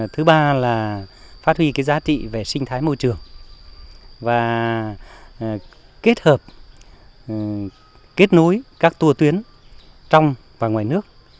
thứ ba là phát huy giá trị về sinh thái môi trường và kết hợp kết nối các tour tuyến trong và ngoài nước